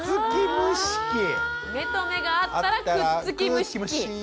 目と目があったらくっつき虫期。